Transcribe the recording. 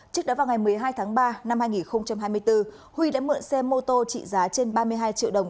trước đó vào ngày một mươi hai tháng ba năm hai nghìn hai mươi bốn huy đã mượn xe mô tô trị giá trên ba mươi hai triệu đồng